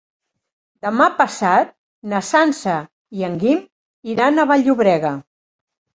Demà passat na Sança i en Guim iran a Vall-llobrega.